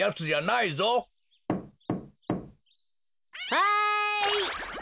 はい！